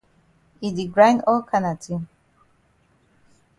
E di grind all kana tin.